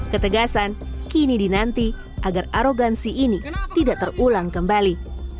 ketegasan kini dinanti agar arogansi ini tidak terulang kembali